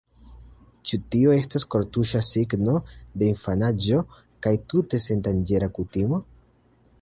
Ĉu tio estas kortuŝa signo de infanaĝo kaj tute sendanĝera kutimo?